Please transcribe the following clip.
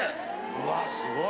うわすごい。